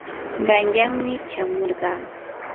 qanyanmi chamurqaa.